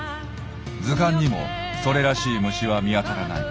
図鑑にもそれらしい虫は見当たらない。